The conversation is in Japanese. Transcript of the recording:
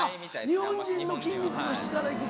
日本人の筋肉の質から行くと。